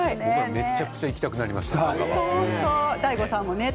めちゃくちゃ行きたくなりました香川。